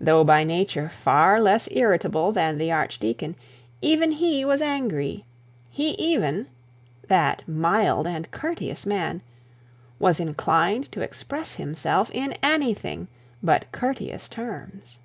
Though, by nature far less irritable than the archdeacon, even he was angry: he even that mild and courteous man was inclined to express himself in anything but courteous terms.